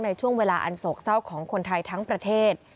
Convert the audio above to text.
ในช่วงเวลาอันโศกเศร้าของคนไทยทั้งประเทศ